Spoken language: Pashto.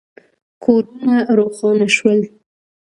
کورونه روښانه شول.